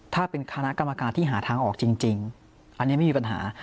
ถ้าเป็นคณะกรรมการที่หาทางออกจริงอันนี้ไม่มีปัญหา